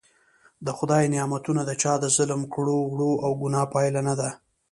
د خدای نعمتونه د چا د ظلم کړو وړو او ګناه پایله نده.